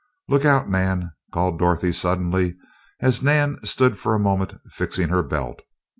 "Look out, Nan!" called Dorothy, suddenly, as Nan stood for a moment fixing her belt.